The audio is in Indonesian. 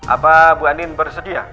apa bu andin bersedia